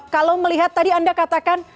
kalau melihat tadi anda katakan